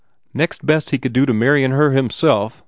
Next best he could do to marryin her himself.